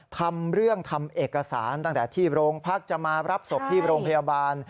ทำเรื่องทำเอกสารตั้งแต่ที่โรงพักจะมารับศพที่โรงพยาบาล